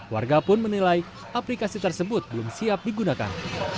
warga pun menilai aplikasi tersebut belum siap digunakan